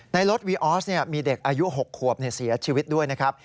ในรถวีออสมีเด็กอายุ๖ขวบเสียชีวิตด้วยนะครับ